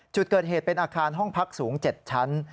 จุดเกิดเหตุเป็นอาคารห้องพักสูง๗ชั้น